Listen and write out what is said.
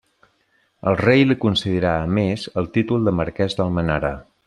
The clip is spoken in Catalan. El Rei li concedirà a més el títol de marquès d'Almenara.